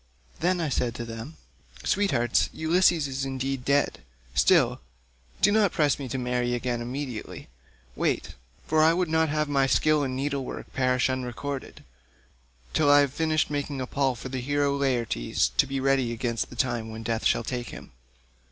Then I said to them, 'Sweethearts, Ulysses is indeed dead, still, do not press me to marry again immediately; wait—for I would not have my skill in needlework perish unrecorded—till I have finished making a pall for the hero Laertes, to be ready against the time when death shall take him.